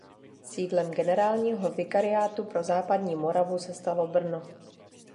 Sídlem generálního vikariátu pro západní Moravu se stalo Brno.